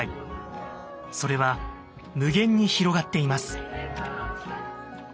それは無限に広がっています。